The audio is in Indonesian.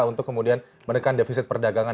untuk kemudian menekan defisit perdagangan